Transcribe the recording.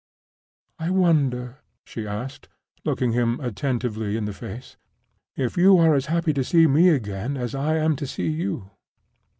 "I wonder," she asked, looking him attentively in the face, "if you are as happy to see me again as I am to see you?"